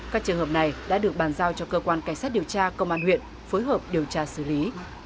các trường hợp này đã được bàn giao cho cơ quan cảnh sát điều tra công an huyện phối hợp điều tra xử lý